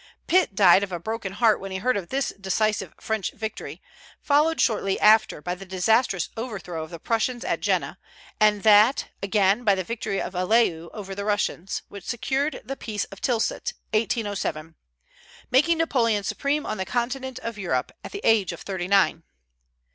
Pitt died of a broken heart when he heard of this decisive French victory, followed shortly after by the disastrous overthrow of the Prussians at Jena, and that, again, by the victory of Eylau over the Russians, which secured the peace of Tilsit, 1807, making Napoleon supreme on the continent of Europe at the age of thirty nine.